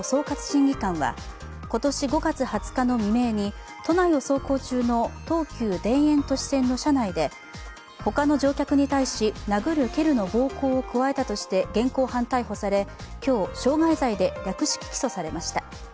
審議官は今年５月２０日の未明に都内を走行中の東急田園都市線の車内で他の乗客に対し、殴る蹴るの暴行を加えたとして現行犯逮捕され今日、傷害罪で略式起訴されました。